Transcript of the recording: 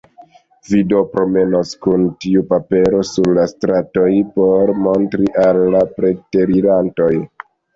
Vi do promenos kun tiu papero sur la stratoj por montri al la preterirantoj?